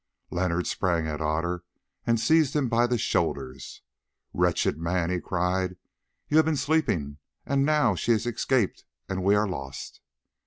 Leonard sprang at Otter and seized him by the shoulders. "Wretched man!" he cried, "you have been sleeping, and now she has escaped and we are lost."